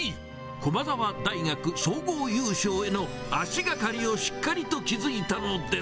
駒澤大学総合優勝への足がかりをしっかりと築いたのです。